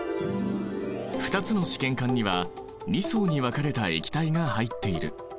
２つの試験管には２層に分かれた液体が入っている。